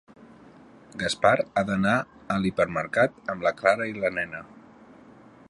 Gaspar ha d'anar a l'hipermercat amb la Clara i la nena.